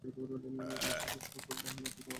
মিশরের সশস্ত্র বাহিনী আফ্রিকা মহাদেশের বৃহত্তম বাহিনী।